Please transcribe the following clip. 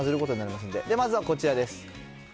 まずはこちらです。